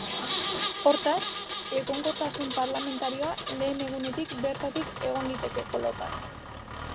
Hortaz, egonkortasun parlamentarioa lehen egunetik bertatik egon liteke kolokan.